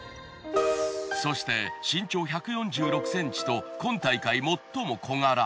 そして身長１４６ｃｍと今大会最も小柄。